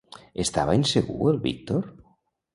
Estava insegur el Víctor?